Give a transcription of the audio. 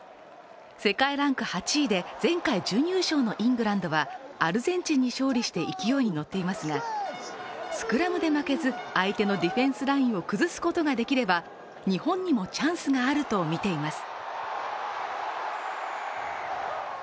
世界ランク８位で前回準優勝のイングランドはアルゼンチンに勝利して勢いに乗っていますがスクラムで負けず相手のディフェンスラインを崩すことができれば、日本にもチャンスがあるとみています。